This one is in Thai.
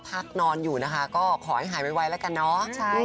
พักนอนอยู่นะคะก็ขอให้หายไวแล้วกันเนาะ